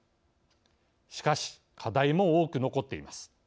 しかし課題も多く残っています。